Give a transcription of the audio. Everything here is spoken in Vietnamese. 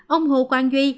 ông hồ quang duy